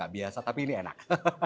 biasa tapi ini enak